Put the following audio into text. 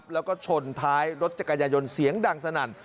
แล้วก็ชนท้ายรถจักรยายนเสียงดังสนั่น